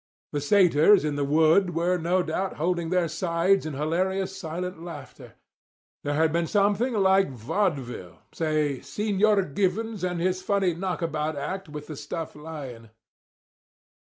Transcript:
The satyrs in the wood were, no doubt, holding their sides in hilarious, silent laughter. There had been something like vaudeville—say Signor Givens and his funny knockabout act with the stuffed lion.